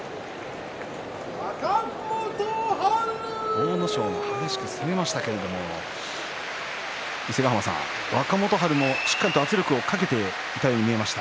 阿武咲が激しく攻めましたけれども伊勢ヶ濱さん若元春もしっかりと圧力をかけていたように見えました。